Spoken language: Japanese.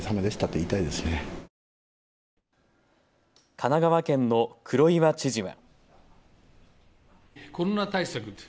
神奈川県の黒岩知事は。